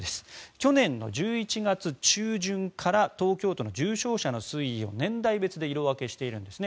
去年の１１月中旬から東京都の重症者の推移を年代別で色分けしているんですね。